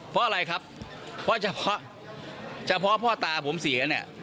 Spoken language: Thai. เพราะอะไรครับเพราะเฉพาะเฉพาะพ่อตาผมเสียเนี่ย